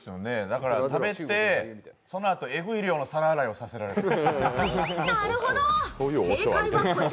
だから、食べて、そのあとエグい量の皿洗いさせられる。